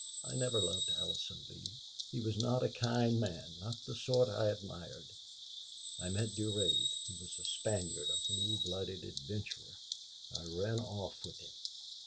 I never loved Allison Lee. He was not a kind man not the sort I admired.... I met Durade. He was a Spaniard a blue blooded adventurer. I ran off with him.